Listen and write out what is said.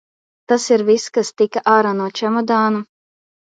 Tas ir viss, kas tika ārā no čemodāna?